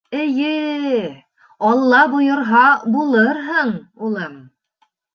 — Эйе, Алла бойорһа, булырһың, улым.